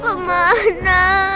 jangan bapak mana